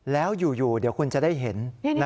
แล้วอยู่เดี๋ยวคุณจะได้เห็น